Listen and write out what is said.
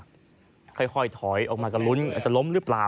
ค่อยถอยออกมาก็ลุ้นอาจจะล้มหรือเปล่า